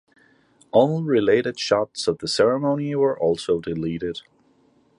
All related shots of the ceremony were also deleted.